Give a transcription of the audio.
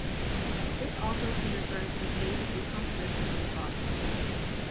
This also can refer to the stage of decomposition of the body.